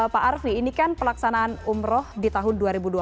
pak arfi ini kan pelaksanaan umroh di tahun dua ribu dua puluh